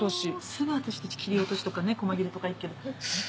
すぐ私たち切り落としとか小間切れとかいくけど。